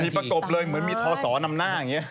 มีประกบเลยเหมือนมีทอสอนำหน้าอย่างนี้